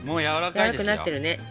やわらかくなってるね。